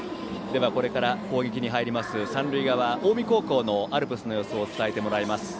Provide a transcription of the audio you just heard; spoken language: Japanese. では、これから攻撃に入る三塁側近江高校のアルプスの様子を伝えてもらいます。